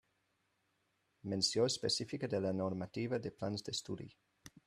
Menció específica de la normativa de plans d'estudi.